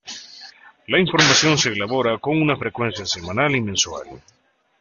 La información se elabora con una frecuencia semanal y mensual.